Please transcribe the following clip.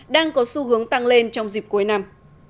đang có xu hướng tăng lên trong dịp cuối năm